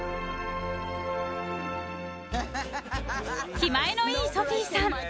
［気前のいいソフィーさん］